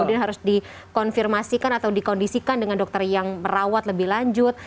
kemudian harus dikonfirmasikan atau dikondisikan dengan dokter yang merawat lebih lanjut